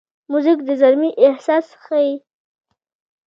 موزیک د زلمي احساس ښيي.